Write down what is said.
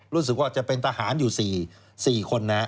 รู้สึกว่าจะเป็นทหารอยู่๔คน